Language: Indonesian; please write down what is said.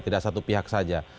tidak satu pihak saja